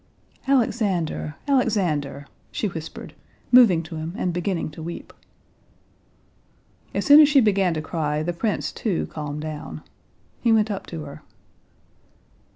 "Alexander, Alexander," she whispered, moving to him and beginning to weep. As soon as she began to cry the prince too calmed down. He went up to her.